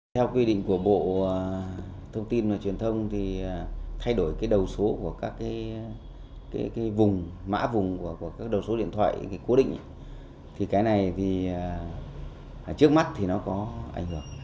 theo quy định của bộ thông tin và truyền thông thì thay đổi cái đầu số của các vùng mã vùng của các đầu số điện thoại cố định thì cái này thì trước mắt thì nó có ảnh hưởng